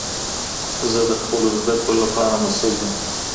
زه د خپلو زده کړو لپاره مسؤل يم.